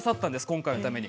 今回のために。